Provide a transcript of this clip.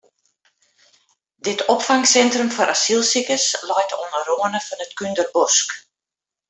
Dit opfangsintrum foar asylsikers leit oan de râne fan it Kúnderbosk.